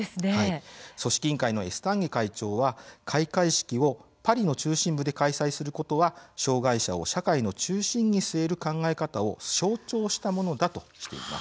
組織委員会のエスタンゲ会長は開会式をパリの中心部で開催することは障害者を社会の中心に据える考え方を象徴したものだとしています。